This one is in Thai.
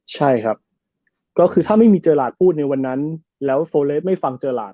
ใช่ครับก็คือถ้าไม่มีเจอหลาดพูดในวันนั้นแล้วโฟเลสไม่ฟังเจอหลาด